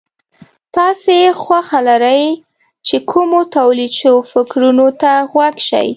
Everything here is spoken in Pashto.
تاسې خوښه لرئ چې کومو توليد شوو فکرونو ته غوږ شئ.